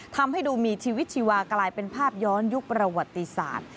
ทำให้ดูมีชีวิตชีวากลายเป็นภาพย้อนยุคประวัติศาสตร์